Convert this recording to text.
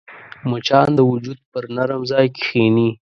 مچان د وجود پر نرم ځای کښېني